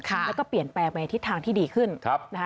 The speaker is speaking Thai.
แล้วก็เปลี่ยนแปลงไปในทิศทางที่ดีขึ้นนะคะ